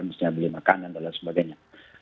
misalnya beli makanan dan lain sebagainya